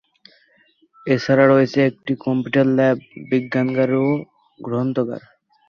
এছাড়াও রয়েছে একটি কম্পিউটার ল্যাব, বিজ্ঞানাগার ও গ্রন্থাগার।